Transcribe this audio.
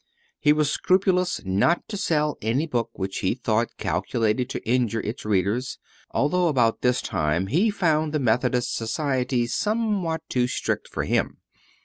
He was scrupulous not to sell any book which he thought calculated to injure its readers, although about this time he found the Methodist Society somewhat too strict for him.